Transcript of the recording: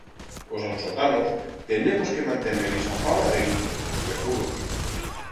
Os ansotanos tenemos que mantener ixa fama de guitos, de furos.